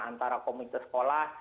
antara komunitas sekolah